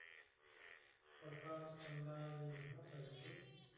په کار چنداني نه پوهیږي